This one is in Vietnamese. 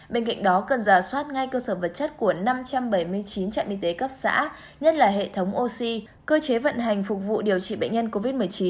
bên cạnh đó cần giả soát ngay cơ sở vật chất của năm trăm bảy mươi chín trạm y tế cấp xã nhất là hệ thống oxy cơ chế vận hành phục vụ điều trị bệnh nhân covid một mươi chín